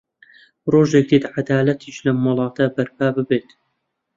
ڕۆژێک دێت عەدالەتیش لەم وڵاتە بەرپا ببێت.